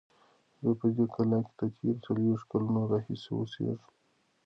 زه په دې کلا کې د تېرو څلوېښتو کلونو راهیسې اوسیږم.